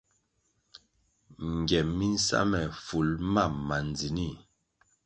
Ngiem mi nsa me ful mam ma ndzinih.